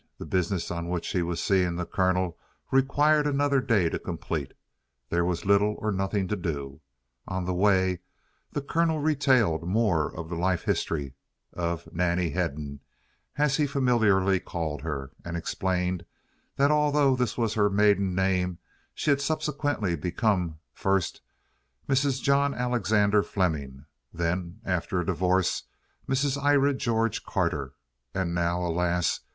The business on which he was seeing the Colonel required another day to complete. There was little or nothing to do. On the way the Colonel retailed more of the life history of Nannie Hedden, as he familiarly called her, and explained that, although this was her maiden name, she had subsequently become first Mrs. John Alexander Fleming, then, after a divorce, Mrs. Ira George Carter, and now, alas!